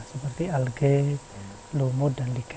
seperti alge lumut dan like